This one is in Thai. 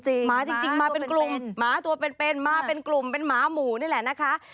หมาจริงมาเป็นกลุ่มหมาตัวเป็นเป็นมาเป็นกลุ่มเป็นหมาหมู่นี่แหละนะคะ